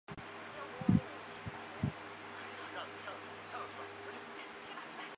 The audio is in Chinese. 光萼野丁香为茜草科野丁香属下的一个变种。